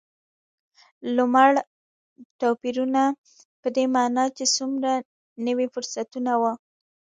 لومړ توپیرونه په دې معنا چې څومره نوي فرصتونه و.